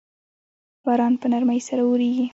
باران په نرمۍ سره اوریږي